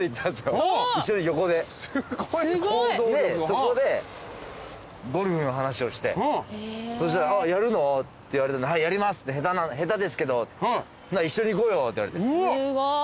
そこでゴルフの話をしてそうしたら「やるの？」って言われた「やります下手ですけど」「一緒に行こうよ」って言われてそっから。